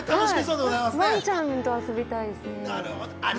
ワンちゃんと遊びたいです。